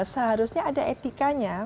seharusnya ada etikanya